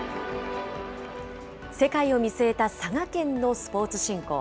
世界を見据えた佐賀県のスポーツ振興。